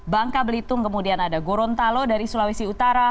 bangka belitung kemudian ada gorontalo dari sulawesi utara